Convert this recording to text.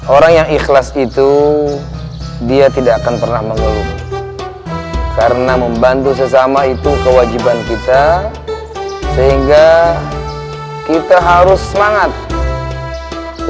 orang yang ikhlas itu dia tidak akan pernah mengulung karena membantu sesama itu kewajiban kita sehingga kita harus semangat